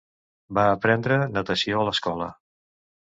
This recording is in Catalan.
Va aprendre natació a l'escola.